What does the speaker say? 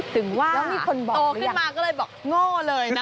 ถึงว่าต่อขึ้นมาก็เลยบอกโง่เลยนะ